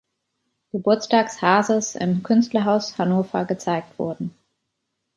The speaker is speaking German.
Geburtstags Hases im Künstlerhaus Hannover gezeigt wurden.